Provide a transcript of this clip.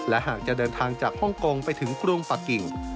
และหากจะเดินทางจากฮ่องกงไปถึงกรุงปะกิ่ง